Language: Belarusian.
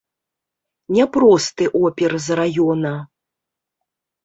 Не просты опер з раёна.